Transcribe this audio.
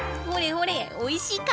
ほれおいしいか！